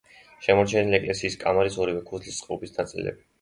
შემორჩენილია ეკლესიის კამარის ორივე ქუსლის წყობის ნაწილები.